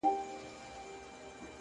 هوښیار انسان له هر حالت ګټه اخلي